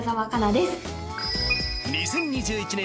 ２０２１年